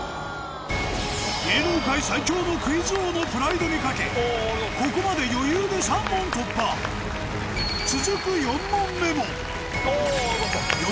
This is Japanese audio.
芸能界最強のクイズ王のプライドに懸けここまで余裕で３問突破あよかった。